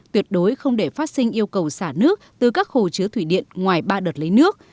tuyệt đối không để phát sinh yêu cầu xả nước từ các hồ chứa thủy điện ngoài ba đợt lấy nước